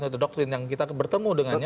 yang terdoktrin yang kita bertemu dengannya